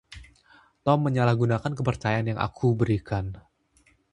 Tom menyalahgunakan kepercayaan yang aku berikan.